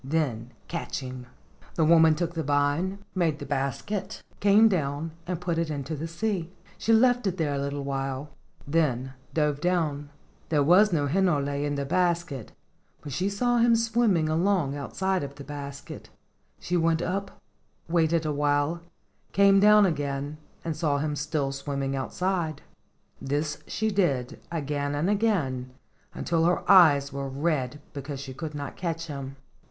Then catch him." The woman took the vine, made the basket, came down and put it in the sea. She left it there a little while, then dove down. There was no Hinole in the basket, but she saw him swim¬ ming along outside of the basket. She went up, waited awhile, came down again and saw him still swimming outside. This she did again and again, until her eyes were red because she could not catch him.